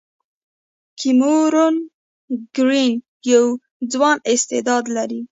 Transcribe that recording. کیمرون ګرین یو ځوان استعداد لري.